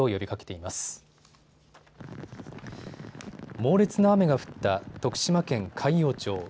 猛烈な雨が降った徳島県海陽町。